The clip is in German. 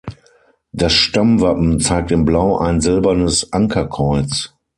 Das Stammwappen zeigt in Blau ein silbernes Ankerkreuz.